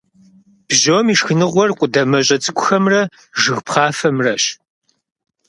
Бжьом и шхыныгъуэр къудамэщӏэ цӏыкӏухэмрэ жыг пхъафэмрэщ.